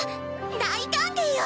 大歓迎よ！